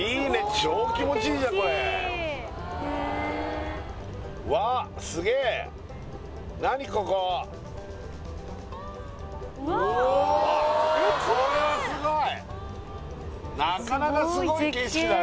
超気持ちいいじゃんこれなかなかすごい景色だよ